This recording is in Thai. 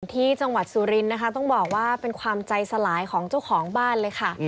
ที่จังหวัดสุรินทร์นะคะต้องบอกว่าเป็นความใจสลายของเจ้าของบ้านเลยค่ะ